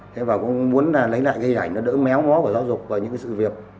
thế và cũng muốn là lấy lại cái hình ảnh nó đỡ méo ngó của giáo dục và những sự việc